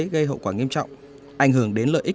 gây hậu quả nghiêm trọng ảnh hưởng đến lợi ích